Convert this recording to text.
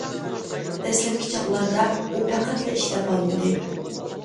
دەسلەپكى چاغلاردا ئۇ پەقەتلا ئىش تاپالمىدى.